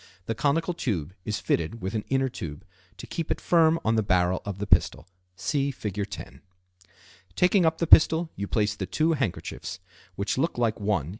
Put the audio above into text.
The conical tube is fitted with an inner tube to keep it firm on the barrel of the pistol. (See Fig. 10.) Fig. 10. Conjuring Pistol. Taking up the pistol, you place the two handkerchiefs, which look like one.